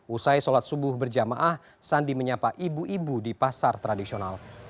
usai sholat subuh berjamaah sandi menyapa ibu ibu di pasar tradisional